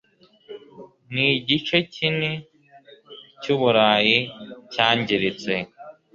n'igice kini cy'uburayi cyangiritse